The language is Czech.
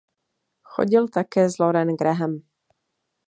Chodil také s Lauren Graham.